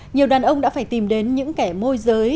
nhiều đàn ông đã phải tìm đến những kẻ môi giới